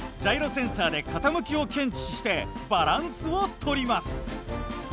センサーで傾きを検知してバランスをとります。